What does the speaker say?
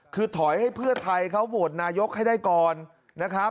คือถอยให้เพื่อไทยเขาโหวตนายกให้ได้ก่อนนะครับ